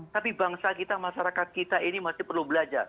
tapi bangsa kita masyarakat kita ini masih perlu belajar